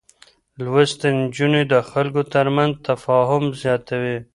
لوستې نجونې د خلکو ترمنځ تفاهم زياتوي.